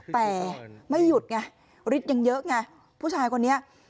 แต่ไม่หยุดไงฤทธิ์ยังเยอะไงผู้ชายคนนี้